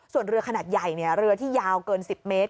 ส่วนเรือขนาดใหญ่เรือที่ยาวเกิน๑๐เมตร